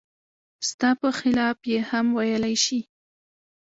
ستا په خلاف یې هم ویلای شي.